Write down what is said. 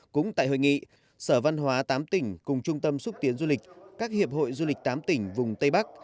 cũng tại hội nghị sở văn hóa tám tỉnh cùng trung tâm xúc tiến du lịch các hiệp hội du lịch tám tỉnh vùng tây bắc